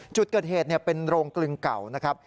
จุดเกิดเหตุเป็นโรงกลึงเก่านะครับ